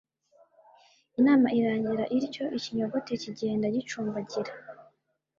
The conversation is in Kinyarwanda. inama irangira ityo ikinyogote kigenda gicumbagira